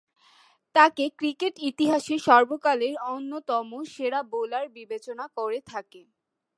তাকে ক্রিকেট ইতিহাসের সর্বকালের অন্যতম সেরা বোলার বিবেচনা করে থাকে।